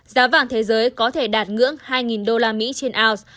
giá vàng thế giới có thể đạt ngưỡng hai usd trên ounce